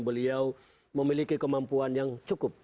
beliau memiliki kemampuan yang cukup